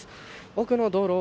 奥の道路